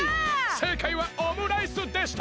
せいかいはオムライスでした！